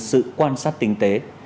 sự quan sát tinh tế